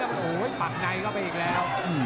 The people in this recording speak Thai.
โอ้โหปักในเข้าไปอีกแล้ว